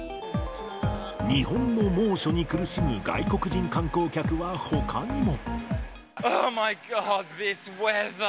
日本の猛暑に苦しむ外国人観光客は、ほかにも。